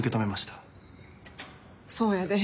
そうやで。